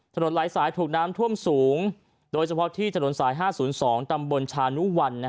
หลายสายถูกน้ำท่วมสูงโดยเฉพาะที่ถนนสาย๕๐๒ตำบลชานุวัล